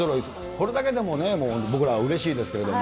これだけでもね、僕らはうれしいですけど。